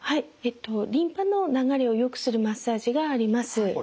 リンパの流れをよくするマッサージがあります。